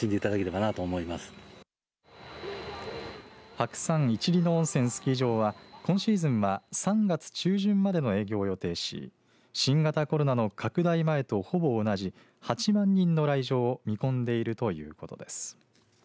白山一里野温泉スキー場は今シーズンは３月中旬までの営業を予定し新型コロナの拡大前とほぼ同じ８万人の来場を見込んでいるということです。